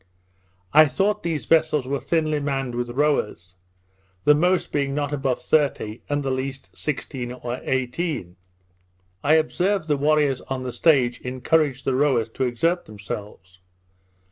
I thought these vessels were thinly manned with rowers; the most being not above thirty, and the least sixteen or eighteen. I observed the warriors on the stage encouraged the rowers to exert themselves.